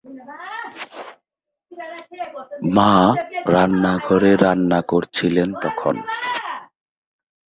একজন দক্ষ ICS officer হিসেবে তিনি পল্লী উন্নয়নের কাজে যথেষ্ট গুরুত্ব দিতেন।